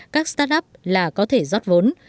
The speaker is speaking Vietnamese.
các start up là có thể rót vốn